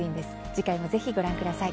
次回も、ぜひご覧ください。